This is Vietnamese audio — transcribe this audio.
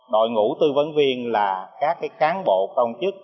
đội ngũ tư vấn viên là các cán bộ công chức